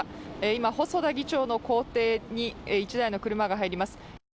今、細田議長の公邸に１台の車が入ります。